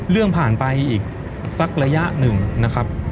เรื่องผ่านไปอีกสักระยะหนึ่งนะครับ